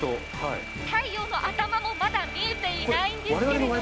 初日の出の太陽の頭もまだ見えていないんですけど。